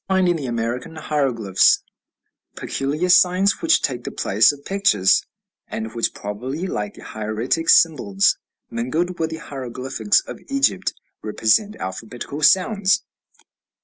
We find in the American hieroglyphs peculiar signs which take the place of pictures, and which probably, like the hieratic symbols mingled with the hieroglyphics of Egypt, represent alphabetical sounds.